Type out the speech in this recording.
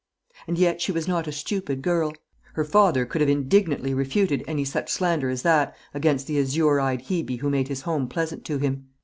And yet she was not a stupid girl. Her father could have indignantly refuted any such slander as that against the azure eyed Hebe who made his home pleasant to him.